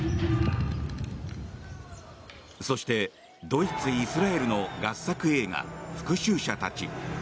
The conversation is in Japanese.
そして、ドイツ・イスラエルの合作映画「復讐者たち」。